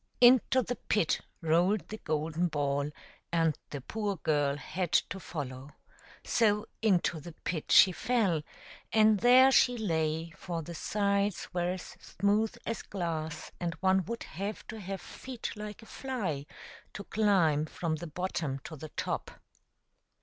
Into the pit rolled the golden ball, and the poor girl had to follow. So into the pit she fell, and there she lay, for the sides were as smooth as glass, and one would have to have feet like a fly to climb from the bottom to the top.